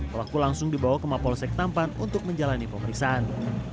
pelaku langsung dibawa ke mapolsek tampan untuk menjalani pemeriksaan